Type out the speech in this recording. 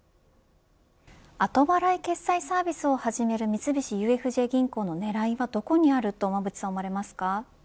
後払い決済サービスを進める三菱ＵＦＪ銀行の狙いはどこにあると馬渕さん思われますか。